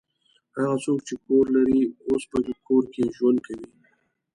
هغه څوک چې کور لري اوس په کور کې ژوند کوي.